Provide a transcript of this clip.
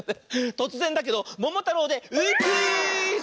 とつぜんだけど「ももたろう」で「う」クイズ！